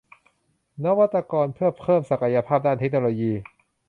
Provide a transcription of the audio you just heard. นวัตกรเพื่อเพิ่มศักยภาพด้านเทคโนโลยี